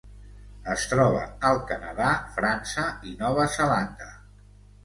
Es troba al Canadà, França i Nova Zelanda.